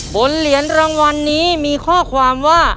เหรียญรางวัลนี้มีข้อความว่า